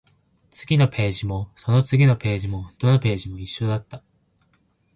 次のページも、その次のページも、どのページも一緒だった